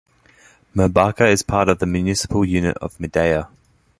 Merbaka is part of the municipal unit of Midea.